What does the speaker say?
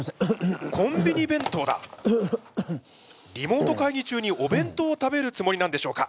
リモート会議中にお弁当を食べるつもりなんでしょうか！？